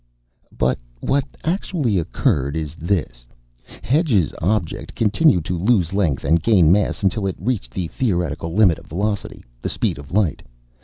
"But what actually occurred is this. Hedge's object continued to lose length and gain mass until it reached the theoretical limit of velocity, the speed of light.